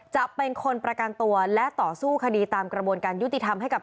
จะเป็นคนประกันตัวและต่อสู้คดีตามกระบวนการยุติธรรมให้กับ